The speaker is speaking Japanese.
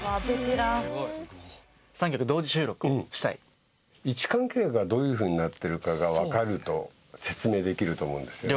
位置関係がどういうふうになってるかが分かると説明できると思うんですね。